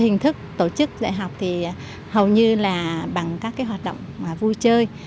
hình thức tổ chức dạy học thì hầu như là bằng các hoạt động vui chơi